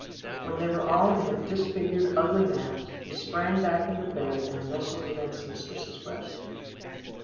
When they were all in a disfigured, ugly mass, he sprang back into the bed, and nestled against mistress's breast.